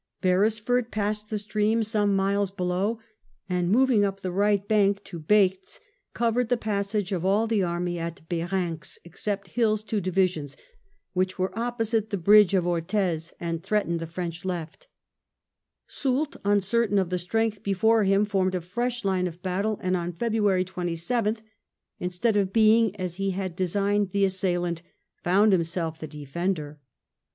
Beresf ord passed the stream some miles below, and moving up the right bank to Baights, covered the passage of all the army at Berenx, except HilFs two divisions, which were opposite the bridge of Orthez and threatened the French left Soult, uncertain of the strength before him, formed a fresh line of battle, and on February 27th, instead of being as he had de signed the assailant, found himself the defender.